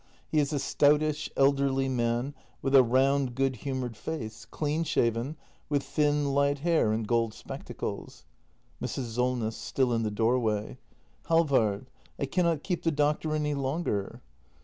He is a stoutish, elderly man, with a round, good humoured face, clean shaven, with thin, light hair, and gold spectacles. Mrs. Solness. [Still in the doorway.] Halvard, I cannot keep the doctor any longer.